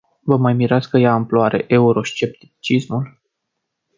Vă mai mirați că ia amploare euroscepticismul?